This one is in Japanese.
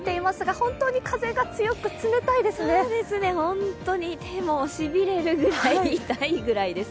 本当に手もしびれるぐらい痛いぐらいです。